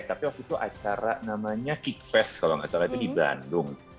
tapi waktu itu acara namanya kickfest kalau nggak salah itu di bandung